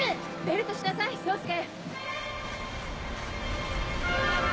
ベルトしなさい宗介！